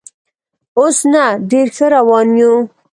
اوس نه، ډېر ښه روان یو.